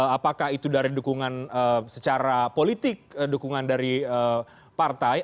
apakah itu dari dukungan secara politik dukungan dari partai